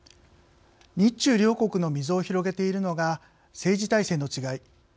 日中両国の溝を広げているのが政治体制の違い